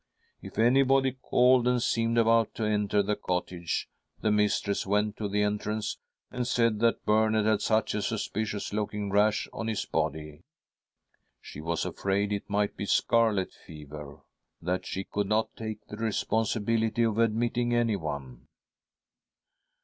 If anybody called and seemed about to enter the cottage, the mistress went to the entrance and said that Bernard had such a suspicious looking rash on his body — she was afraid it might be scarlet fever — that she could not take the responsibility of admitting anyone.